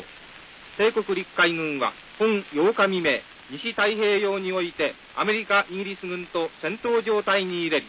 帝国陸海軍は本８日未明西太平洋においてアメリカイギリス軍と戦闘状態に入れり。